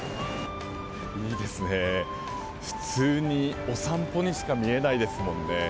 いいですね、普通にお散歩にしか見えないですもんね。